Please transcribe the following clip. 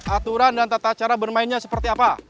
aturan dan tata cara bermainnya seperti apa